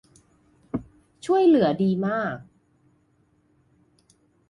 ช่วยเหลือดีมาก